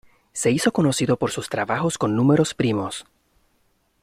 Se hizo conocido por sus trabajos con números primos.